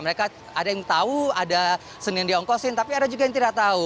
mereka ada yang tahu ada senin diongkosin tapi ada juga yang tidak tahu